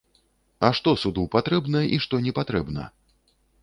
А што суду патрэбна і што непатрэбна?